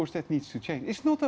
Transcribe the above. dan tentu saja itu harus berubah